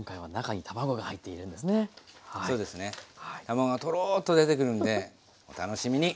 卵がトローッと出てくるんでお楽しみに！